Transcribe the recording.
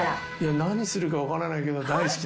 「何するか分からないけど大好き」？